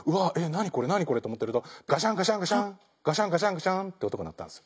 何これ何これって思ってるとガシャンガシャンガシャンガシャンガシャンガシャンって音が鳴ったんですよ。